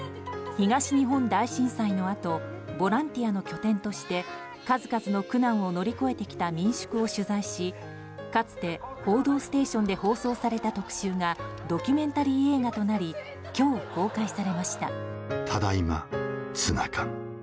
東日本大震災のあとボランティアの拠点として数々の苦難を乗り越えてきた民宿を取材しかつて「報道ステーション」で放送された特集がドキュメンタリー映画となり今日、公開されました。